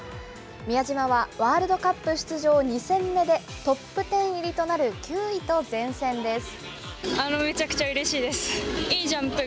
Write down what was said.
宮嶋はワールドカップ出場２戦目でトップ１０入りとなる９位と善戦です。